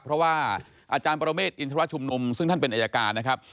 เพราะว่าอาจารย์ปรเมฆอินทรชุมนุมซึ่งท่านเป็นอายการนะครับ